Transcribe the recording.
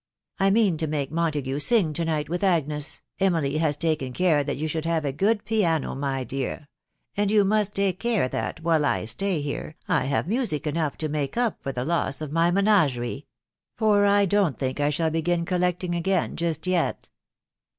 ... I mean to make Montague sing to night with Agnes. Emily has taken care that you should have a good, piano, my dear .... and you most take care that, while I stay here, I have music enough to make up for the loss of my menagerie, .... for I don't think I shall begin collecting again just yet."